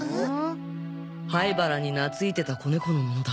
灰原になついてた仔猫のものだ。